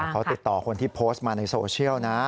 เขาติดต่อคนที่โพสต์มาในโซเชียลนะ